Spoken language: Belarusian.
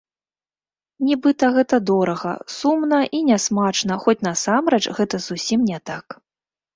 Нібыта гэта дорага, сумна і нясмачна, хоць насамрэч гэта зусім не так.